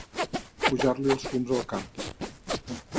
Pujar-li els fums al cap.